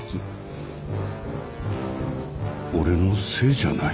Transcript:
俺のせいじゃない。